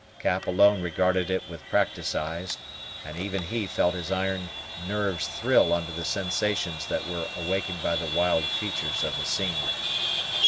Cap alone regarded it with practised eyes, and even he felt his iron nerves thrill under the sensations that were awakened by the wild features of the scene.